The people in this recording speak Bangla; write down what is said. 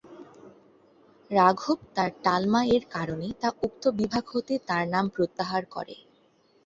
রাঘব তার "টালমা"-এর কারণে তা উক্ত বিভাগ হতে তার নাম প্রত্যাহার করে।